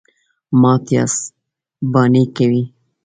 _مات ياست، بانې کوئ.